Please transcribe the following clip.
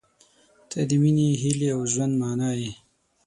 • ته د مینې، هیلې، او ژوند معنی یې.